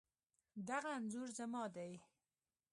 دغه انځور زما دی